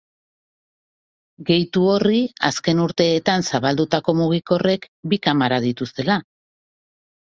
Gehitu horri azken urteetan zabaldutako mugikorrek bi kamera dituztela.